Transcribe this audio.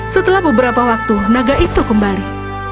setelah beberapa waktu naga itu kembali